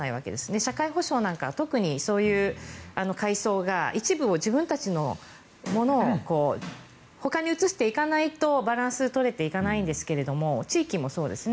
社会保障なんかは特にそういう階層が一部を自分たちのものをほかに移していかないとバランスが取れていかないんですが地域もそうですね。